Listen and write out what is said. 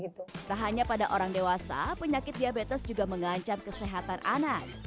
tak hanya pada orang dewasa penyakit diabetes juga mengancam kesehatan anak